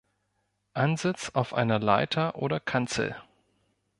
Ansitz auf einer Leiter oder Kanzel.